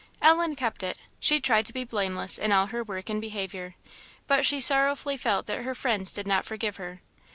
Ellen kept it; she tried to be blameless in all her work and behaviour, but she sorrowfully felt that her friends did not forgive her.